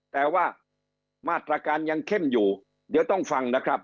แต่ว่ามาตรการยังเข้มอยู่เดี๋ยวต้องฟังนะครับ